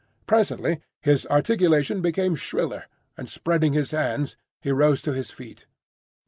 Presently his articulation became shriller, and spreading his hands he rose to his feet.